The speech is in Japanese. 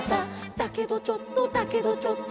「だけどちょっとだけどちょっと」